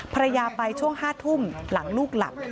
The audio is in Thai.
ภรรยาไปช่วง๕ทุ่มหลังลูกหลับ